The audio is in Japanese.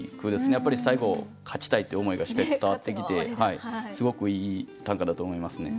やっぱり最後勝ちたいって思いがしっかり伝わってきてすごくいい短歌だと思いますね。